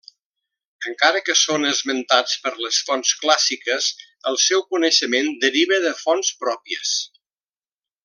Encara que són esmentats per les fonts clàssiques el seu coneixement deriva de fonts pròpies.